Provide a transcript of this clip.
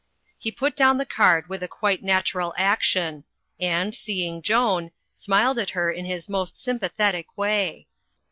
He put down the card with a quite natural action; and, seeing Joan, smiled at her in his most sympathetic way.